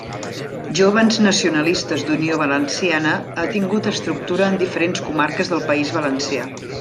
Jóvens Nacionalistes d'Unió Valenciana ha tingut estructura en diferents comarques del País Valencià.